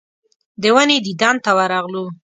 د ونې دیدن ته ورغلو.